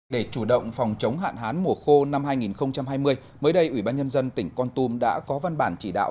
để chủ động phòng chống hạn hán mùa khô năm hai nghìn hai mươi mới đây ủy ban nhân dân tỉnh con tum đã có văn bản chỉ đạo